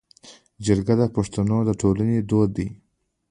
جرګه د پښتنو د ټولنې دود دی